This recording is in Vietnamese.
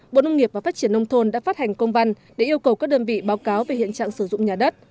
bộ nông nghiệp và phát triển nông thôn đã phát hành công văn để yêu cầu các đơn vị báo cáo về hiện trạng sử dụng nhà đất